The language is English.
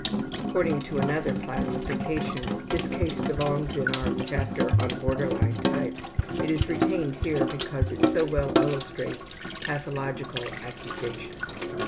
(According to another classification this case belongs in our chapter on Border line Types. It is retained here because it so well illustrates pathological accusation.)